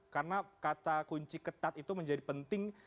karena kata kunci ketat itu menjadi penting